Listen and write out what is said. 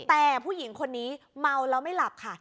แต่ผู้หญิงคนนี้เมาแล้วไม่หลับค่ะ